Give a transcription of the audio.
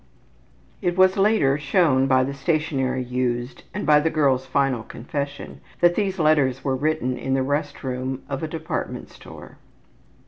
(It was later shown by the stationery used, and by the girl's final confession, that these letters were written in the rest room of a department store.)